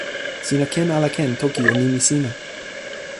sina ken ala ken toki e nimi sina?